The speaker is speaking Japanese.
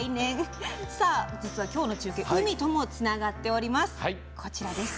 実は今日の中継海ともつながっています。